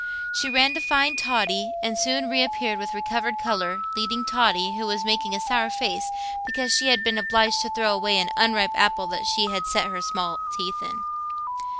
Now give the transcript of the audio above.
She ran to find Totty, and soon reappeared with recovered colour, leading Totty, who was making a sour face because she had been obliged to throw away an unripe apple that she had set her small teeth in.